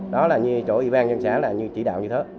đó là như chỗ ủy ban dân xã là như chỉ đạo như thế